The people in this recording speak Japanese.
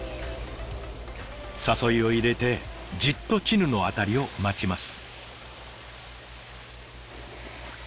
誘いをいれてじっとチヌのアタリを待ちます。